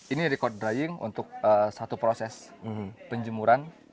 ini record drying untuk satu proses penjemuran